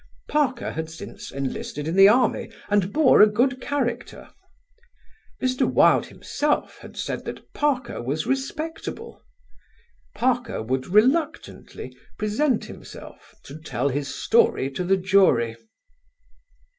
Parker had since enlisted in the Army, and bore a good character. Mr. Wilde himself had said that Parker was respectable. Parker would reluctantly present himself to tell his story to the jury.